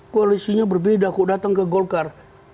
koalisinya berbeda kok datang ke golkar